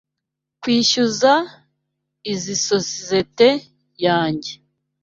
Kwishyuza izoi sosizoete yanjye.